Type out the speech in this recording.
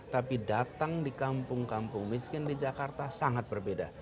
tapi datang di kampung kampung miskin di jakarta sangat berbeda